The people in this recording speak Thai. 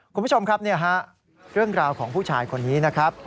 คุณผู้ชมครับเรื่องราวของผู้ชายคนนี้นะครับ